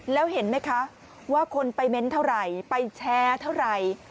แล้วเห็นไหมคะว่าคนไปเม้นต์เท่าไหร่ไปแชร์เท่าไหร่